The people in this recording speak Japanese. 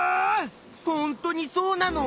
ほんとにそうなの？